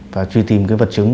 và truy tìm cái vật chứng